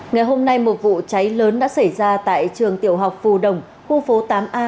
ngày hôm nay một vụ cháy lớn đã xảy ra tại trường tiểu học phù đồng khu phố tám a